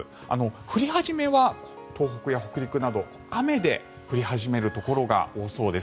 降り始めは東北や北陸など雨で降り始めるところが多そうです。